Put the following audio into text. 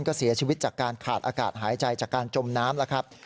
ก็เสียชีวิตจากการขาดอากาศหายใจจากการจมน้ำแล้วครับ